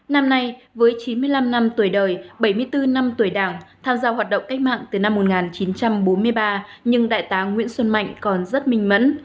năm nay với chín mươi năm năm tuổi đời bảy mươi bốn năm tuổi đảng tham gia hoạt động cách mạng từ năm một nghìn chín trăm bốn mươi ba nhưng đại tá nguyễn xuân mạnh còn rất minh mẫn